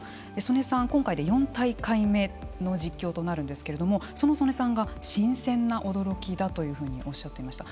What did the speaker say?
曽根さんは、今回で４大会目の実況となるんですけれどもその曽根さんが新鮮な驚きだとおっしゃってました。